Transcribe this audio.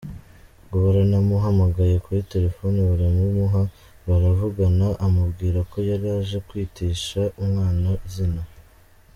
Ngo baramuhamagaye kuri telefoni baramumuha baravugana amubwira ko yari aje kwitisha umwana izina.